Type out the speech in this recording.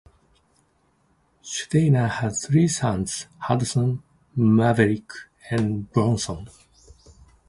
Steiner has three sons, Hudson, Maveric, and Bronson.